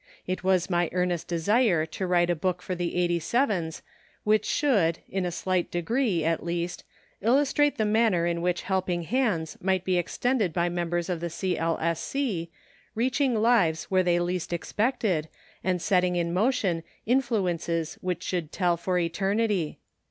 It was my earnest desire to write a book for the '87's which should, in a slight degree, at least, illus trate the manner in which helping hands might be PREFACE. extended by members of the C. L. S. C, reaching lives where they least expected, and setting in motion influ ences which should tell for eternity.